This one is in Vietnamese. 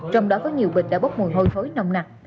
trong đó có nhiều bịch đã bốc mùi hôi khối nồng nặt